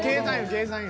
計算よ。